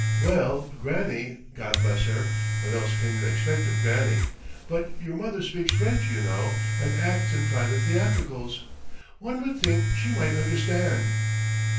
Well, Granny, God bless her, what else can you expect of Granny? But your mother speaks French, you know, and acts in private theatricals. One would think she might understand."